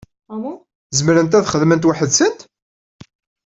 Zemrent ad xedment weḥd-nsent?